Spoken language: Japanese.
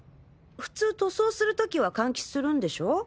普通塗装する時は換気するんでしょ？